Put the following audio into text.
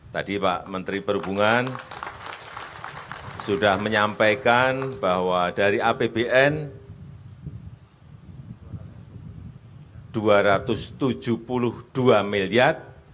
tadi pak menteri perhubungan sudah menyampaikan bahwa dari apbn rp dua ratus tujuh puluh dua miliar